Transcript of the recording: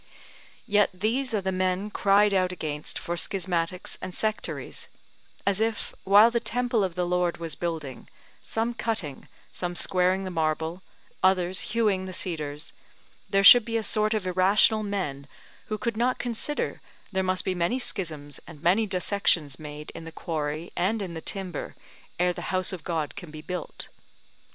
Yet these are the men cried out against for schismatics and sectaries; as if, while the temple of the Lord was building, some cutting, some squaring the marble, others hewing the cedars, there should be a sort of irrational men who could not consider there must be many schisms and many dissections made in the quarry and in the timber, ere the house of God can be built.